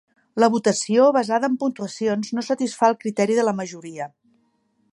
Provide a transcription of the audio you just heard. La votació basada en puntuacions no satisfà el criteri de la majoria.